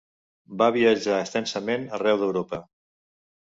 Va viatjar extensament arreu d'Europa: